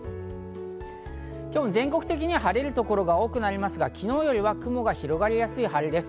今日も全国的に晴れる所が多くなりますが、昨日よりは雲が広がりやすい晴れです。